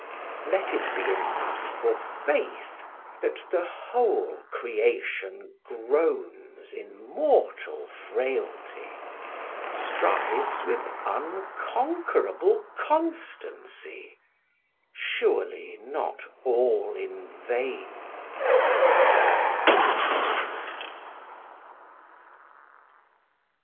Let it be enough for faith, that the whole creation groans in mortal frailty, strives with unconquerable constancy: Surely not all in vain.